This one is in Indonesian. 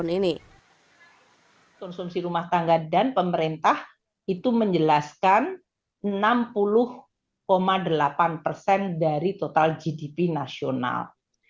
konsumsi rumah tangga dan pemerintah itu menjelaskan enam puluh delapan persen dari total gdp nasional